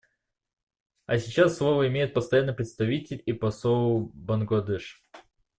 А сейчас слово имеет Постоянный представитель и посол Бангладеш.